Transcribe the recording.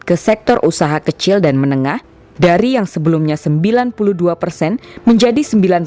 ke sektor usaha kecil dan menengah dari yang sebelumnya sembilan puluh dua persen menjadi sembilan puluh